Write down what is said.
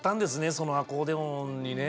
そのアコーディオンにね。